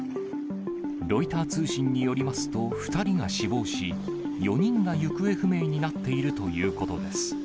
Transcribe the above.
ロイター通信によりますと、２人が死亡し、４人が行方不明になっているということです。